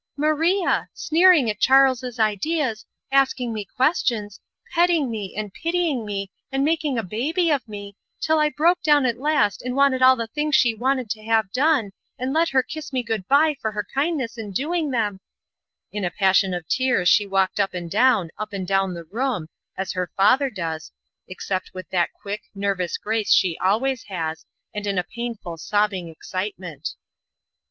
"Maria sneering at Charles's ideas, asking me questions, petting me and pitying me and making a baby of me, until I broke down at last and wanted all the things she wanted to have done, and let her kiss me good bye for her kindness in doing them " In a passion of tears she walked up and down, up and down the room, as her father does, except with that quick, nervous grace she always has, and in a painful, sobbing excitement.